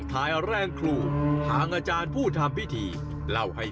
หันล้วยหันล้วยหันล้วยหันล้วยหันล้วยหันล้วยหันล้วย